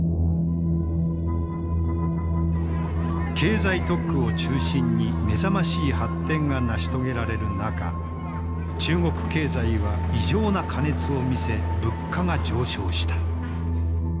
経済特区を中心に目覚ましい発展が成し遂げられる中中国経済は異常な過熱を見せ物価が上昇した。